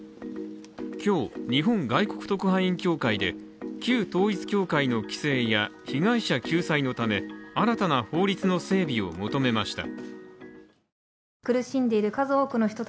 今日、日本外国特派員協会で旧統一教会の規制や被害者救済のため、新たな法律の整備を求めました。